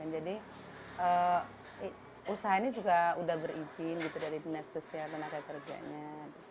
jadi usaha ini juga sudah berizin dari dinas sosial tenaga kerjanya